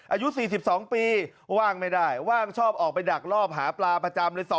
อายุ๔๒ปีว่างไม่ได้ว่างชอบออกไปดักลอบหาปลาประจำเลย